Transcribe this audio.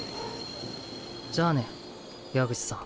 じゃあね矢口さん。